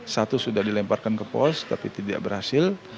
satu sudah dilemparkan ke pos tapi tidak berhasil